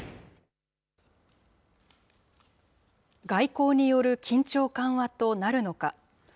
外交による緊張緩和となるのか。